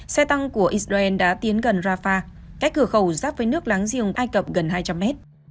xe tăng của israel đã tiến gần rafah cách cửa khẩu giáp với nước láng giềng ai cập gần hai trăm linh mét